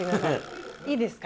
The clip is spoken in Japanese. いいですか？